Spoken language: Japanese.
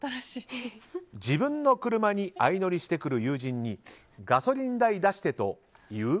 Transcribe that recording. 自分の車に相乗りしてくる友人にガソリン代出してと言う？